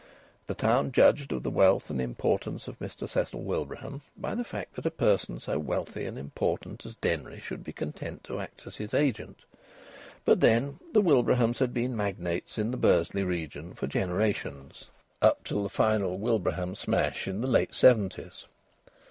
The town judged of the wealth and importance of Mr Cecil Wilbraham by the fact that a person so wealthy and important as Denry should be content to act as his agent. But then the Wilbrahams had been magnates in the Bursley region for generations, up till the final Wilbraham smash in the late seventies.